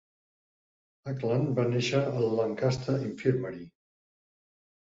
Acland va néixer al Lancaster Infirmary.